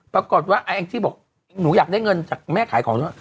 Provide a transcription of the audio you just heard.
ปรากฏว่าไอ้แองจี้บอกหนูอยากได้เงินจากแม่ขายของด้วย